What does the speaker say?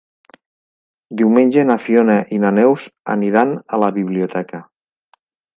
Diumenge na Fiona i na Neus aniran a la biblioteca.